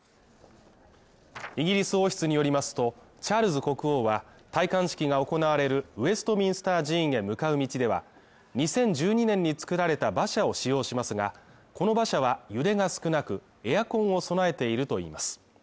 イギリス王室によりますと、チャールズ国王は、戴冠式が行われるウエストミンスター寺院へ向かう道では、２０１２年に作られた馬車を使用しますが、この場所は、揺れが少なく、エアコンを備えているといいます。